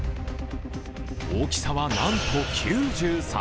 大きさはなんと９３ｃｍ。